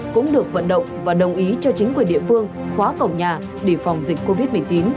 cũng được vận động và đồng ý cho chính quyền địa phương khóa cổng nhà để phòng dịch covid một mươi chín